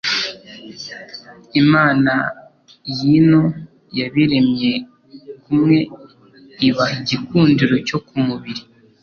Imana y' ino yabiremye kumweIbaha igikundiro cyo ku mubiri